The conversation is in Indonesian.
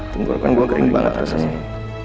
tunggu akan gue kering banget rasanya